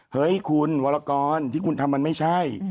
เฮ้ยคุณวรกรที่คุณทำมันไม่ใช่